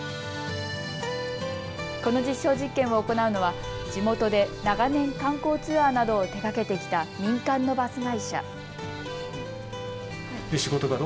この実証実験を行うのは地元で長年、観光ツアーなどを手がけてきた民間のバス会社。